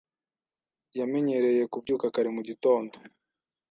Yamenyereye kubyuka kare mu gitondo.